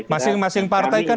masing masing partai kan